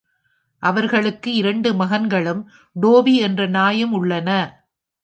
அவர்களுக்கு இரண்டு மகன்களும், டோபி என்ற நாயும் உள்ளனர்.